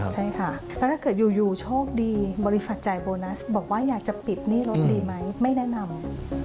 ใช่ค่ะแล้วถ้าเกิดอยู่โชคดีบริษัทจ่ายโบนัสบอกว่าอยากจะปิดหนี้รถดีไหมไม่แนะนำ